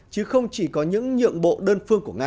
chứ không chỉ có những nhượng bộ đơn phương của nga